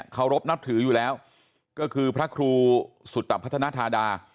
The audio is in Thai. เขารบนับถืออยู่แล้วก็คือพระครูสุตพัฒนาธาดา